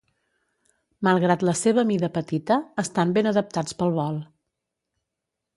Malgrat la seva mida petita, estan ben adaptats pel vol.